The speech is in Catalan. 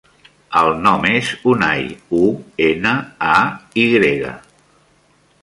El nom és Unay: u, ena, a, i grega.